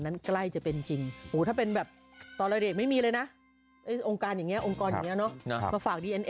นี่เป็นภาพล่าสุดเลยนะ